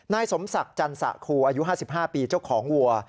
นายสมศักดิ์จันสะครูอายุ๕๕ปีเจ้าของวัว